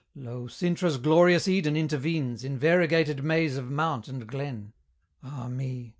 Lo! Cintra's glorious Eden intervenes In variegated maze of mount and glen. Ah me!